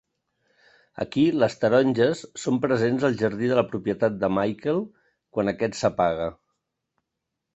Aquí, les taronges són presents al jardí de la propietat de Michael quan aquest s'apaga.